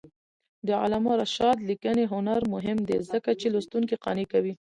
د علامه رشاد لیکنی هنر مهم دی ځکه چې لوستونکي قانع کوي.